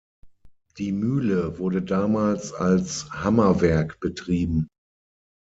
Die Mühle wurde damals als Hammerwerk betrieben.